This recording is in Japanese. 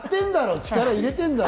力、入れてんだろ！